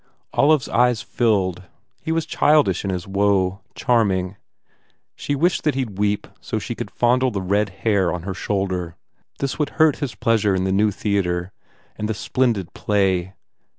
Olive s eyes filled. He was childish in his woe, charming. She wished that he d weep so she could fondle the red hair on her shoulder. This would hurt his pleasure in the new theatre and the splendid play.